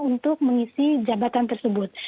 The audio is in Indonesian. untuk mengisi jabatan tersebut